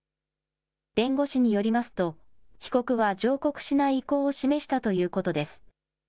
弁護士によりますと、被告は上告しない意向を示したということです。